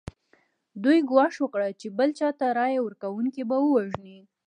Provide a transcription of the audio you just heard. دوی ګواښ وکړ چې بل چا ته رایه ورکونکي به ووژني.